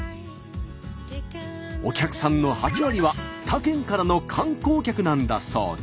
お客さんの８割は他県からの観光客なんだそうで。